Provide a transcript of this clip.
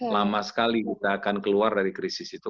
lama sekali kita akan keluar dari krisis itu